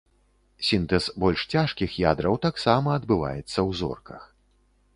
Сінтэз больш цяжкіх ядраў таксама адбываецца ў зорках.